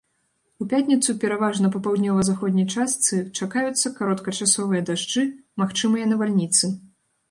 У пятніцу пераважна па паўднёва-заходняй частцы чакаюцца кароткачасовыя дажджы, магчымыя навальніцы.